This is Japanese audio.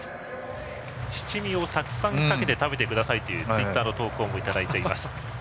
七味をたくさんかけて食べてくださいというツイッターの投稿もいただいています。